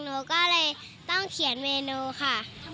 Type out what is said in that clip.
หนูก็เลยต้องเขียนเมนูค่ะ